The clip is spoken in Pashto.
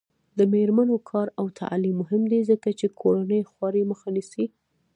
د میرمنو کار او تعلیم مهم دی ځکه چې کورنۍ خوارۍ مخه نیسي.